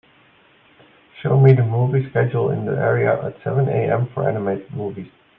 show me the movie schedule in the area at seven AM for animated movies